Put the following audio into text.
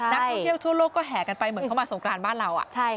นักท่องเที่ยวทั่วโลกก็แห่กันไปเหมือนเข้ามาสงกรานบ้านเรา